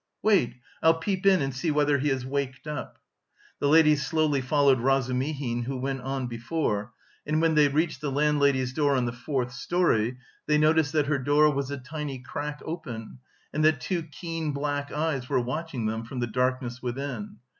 "Wait, I'll peep in and see whether he has waked up." The ladies slowly followed Razumihin, who went on before, and when they reached the landlady's door on the fourth storey, they noticed that her door was a tiny crack open and that two keen black eyes were watching them from the darkness within.